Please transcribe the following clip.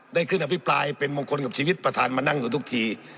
ได้ขึ้นอภิปรายเป็นมงคลกับชีวิตประธานมานั่งอยู่ทุกที